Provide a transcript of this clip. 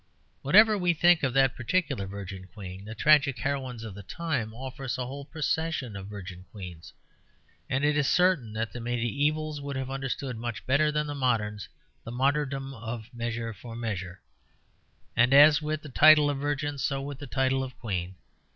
Whatever we think of that particular Virgin Queen, the tragic heroines of the time offer us a whole procession of virgin queens. And it is certain that the mediævals would have understood much better than the moderns the martyrdom of Measure for Measure. And as with the title of Virgin, so with the title of Queen.